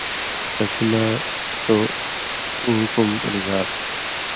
تسی لا سُو ݜُو حُکُم رِن٘گا تھو۔